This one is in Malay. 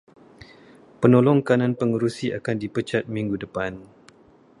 Penolong kanan pengerusi akan dipecat minggu depan.